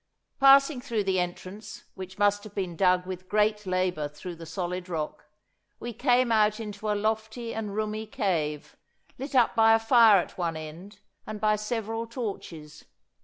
Passing through the entrance, which must have been dug with great labour through the solid rock, we came out into a lofty and roomy cave, lit up by a fire at one end, and by several torches.